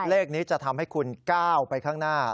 เลขนี้จะทำให้คุณก้าวไปข้างหน้า